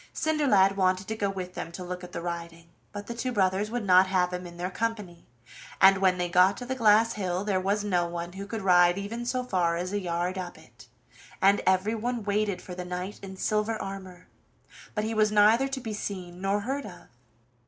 Cinderlad wanted to go with them to look at the riding, but the two brothers would not have him in their company, and when they got to the glass hill there was no one who could ride even so far as a yard up it, and everyone waited for the knight in silver armor, but he was neither to be seen nor heard of.